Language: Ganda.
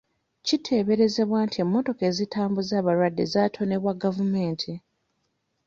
Kiteeberezebwa nti emmotoka ezitambuza abalwadde zatonebwa gavumenti.